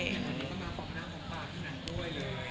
ตอนนี้ก็มาฟอกหน้าฟอกปากที่นานด้วยเลย